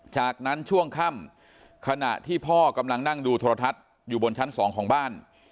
จากนั้นช่วงค่ำขณะที่พ่อกำลังนั่งดูโทรทัศน์อยู่บนชั้น๒ของบ้าน